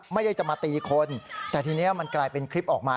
ไม่ได้จะมาตีคนแต่ทีนี้มันกลายเป็นคลิปออกมา